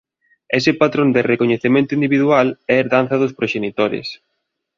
Ese patrón de recoñecemento individual é herdanza dos proxenitores.